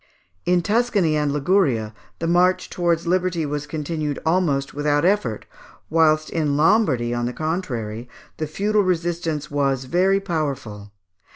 In Tuscany and Liguria, the march towards liberty was continued almost without effort; whilst in Lombardy, on the contrary, the feudal resistance was very powerful.